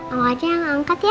oma aja yang angkat ya